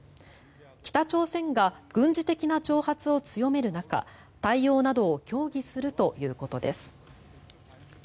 北朝鮮が軍事的な挑発を強める中対応などを協議するということです。